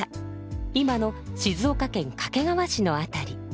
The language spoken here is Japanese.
今の静岡県掛川市の辺り。